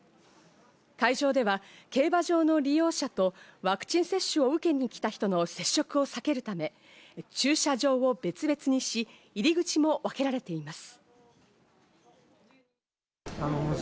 会場では競馬場の利用者とワクチン接種を受けに来た人の接触を避けるため、駐車場を別々にし、入り口も分けられています。